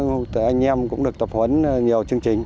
từ anh em cũng được tập huấn nhiều chương trình